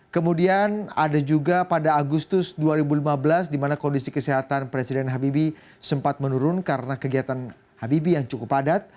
kemudian ada juga pada agustus dua ribu lima belas di mana kondisi kesehatan presiden habibie sempat menurun karena kegiatan habibie yang cukup padat